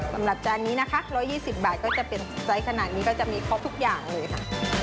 จานนี้นะคะ๑๒๐บาทก็จะเป็นไซส์ขนาดนี้ก็จะมีครบทุกอย่างเลยค่ะ